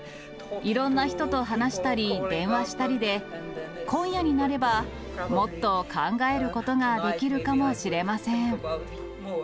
いろんな人と話したり、電話したりで、今夜になれば、もっと考えることができるかもしれません。